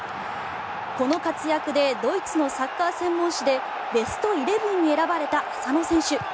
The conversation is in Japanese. この活躍でドイツのサッカー専門誌でベストイレブンに選ばれた浅野選手。